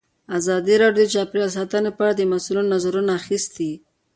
ازادي راډیو د چاپیریال ساتنه په اړه د مسؤلینو نظرونه اخیستي.